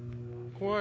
怖い。